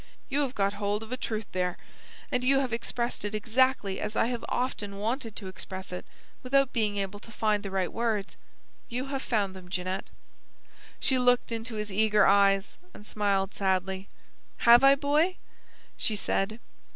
"You have got hold of a truth there, and you have expressed it exactly as I have often wanted to express it without being able to find the right words. You have found them, Jeanette." She looked into his eager eyes and smiled sadly. "Have I, Boy?" she said.